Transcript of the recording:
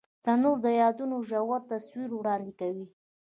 تنور د یادونو ژور تصویر وړاندې کوي